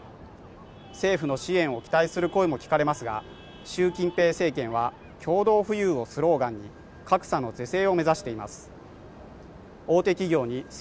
政府の支援を期待する声も聞かれますが習近平政権は共同富裕をスローガンに格差の是正を目指しています